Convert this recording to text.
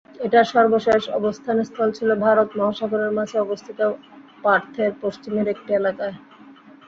এটার সর্বশেষ অবস্থানস্থল ছিল ভারত মহাসাগরের মাঝে অবস্থিত পার্থের পশ্চিমের একটি এলাকায়।